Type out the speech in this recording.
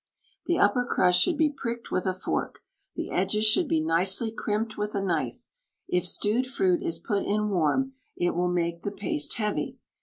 The upper crust should be pricked with a fork. The edges should be nicely crimped with a knife. If stewed fruit is put in warm, it will make the paste heavy.